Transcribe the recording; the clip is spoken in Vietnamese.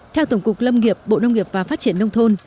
theo tổng cục lâm nghiệp bộ nông nghiệp và phát triển nông thôn